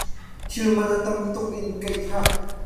Thil man a tamtuk in kaih hlah.